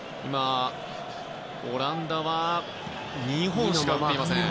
オランダは２本しか打っていません。